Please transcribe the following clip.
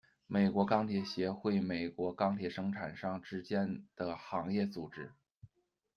美国钢铁协会美国钢铁生产商之间的行业组织。